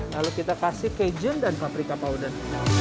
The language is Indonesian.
lalu kita kasih kejun dan paprika powder